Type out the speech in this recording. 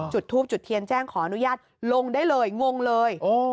จุดทูบจุดเทียนแจ้งขออนุญาตลงได้เลยงงเลย